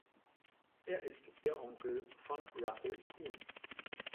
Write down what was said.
Er ist der Onkel von Russell Kun.